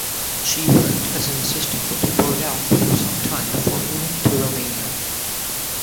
She worked as an assistant to Bourdelle for some time before moving to Romania.